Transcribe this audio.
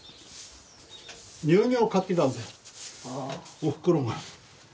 おふくろが。